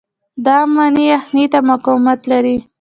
د ام ونې یخنۍ ته مقاومت لري؟